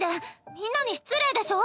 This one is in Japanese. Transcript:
みんなに失礼でしょ！